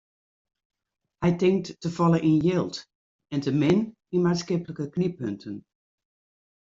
Hy tinkt te folle yn jild en te min yn maatskiplike knyppunten.